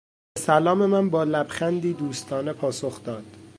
به سلام من با لبخندی دوستانه پاسخ داد.